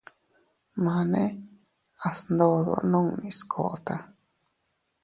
Mane a sndodo nunni skota.